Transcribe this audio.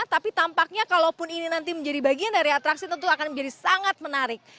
tapi tampaknya kalaupun ini nanti menjadi bagian dari atraksi tentu akan menjadi sangat menarik